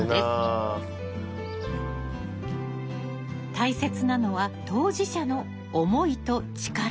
大切なのは当事者の思いと力。